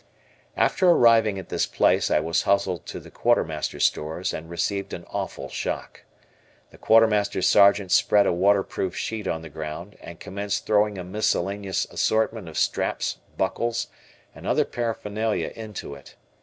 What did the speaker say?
After arriving at this place, I was hustled to the quartermaster stores and received an awful shock. The Quartermaster Sergeant spread a waterproof sheet on the ground, and commenced throwing a miscellaneous assortment of straps, buckles, and other paraphernalia into it.